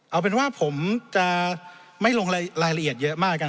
เอาเป็นว่าผมจะไม่ลงรายละเอียดเยอะมากกัน